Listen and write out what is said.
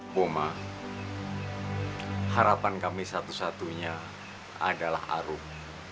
boma harapan kami satu satunya adalah aruk